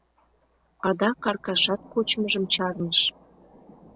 Адак Аркашат кочмыжым чарныш.